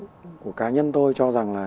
có ý kiến của cá nhân tôi cho rằng là